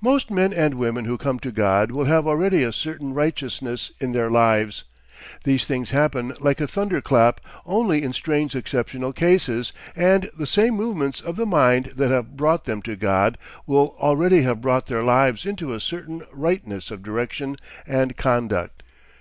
Most men and women who come to God will have already a certain righteousness in their lives; these things happen like a thunderclap only in strange exceptional cases, and the same movements of the mind that have brought them to God will already have brought their lives into a certain rightness of direction and conduct.